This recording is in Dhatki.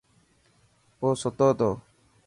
اوستو تو.